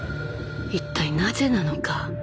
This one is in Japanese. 一体なぜなのか。